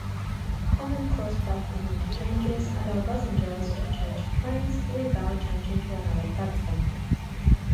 Common cross-platform interchanges allow passengers to change trains without changing to another platform.